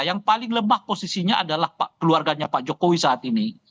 yang paling lemah posisinya adalah keluarganya pak jokowi saat ini